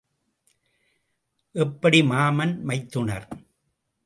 எப்படி மாமன் மைத்துனர்!